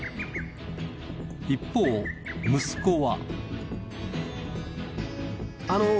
一方息子は。